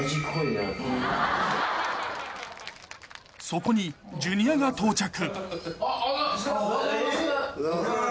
［そこにジュニアが到着］